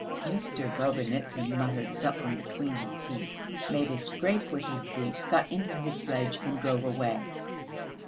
Mr. Bobynitsyn muttered something between his teeth, made a scrape with his boot, got into his sledge and drove away.